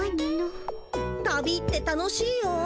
旅って楽しいよ。